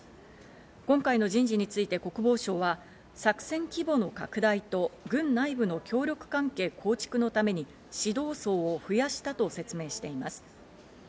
今回の人事について国防省は、作戦規模の拡大と軍内部の協力関係構築のために指導層を増やしたと説明しています。